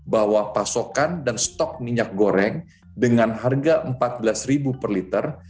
bahwa pasokan dan stok minyak goreng dengan harga rp empat belas per liter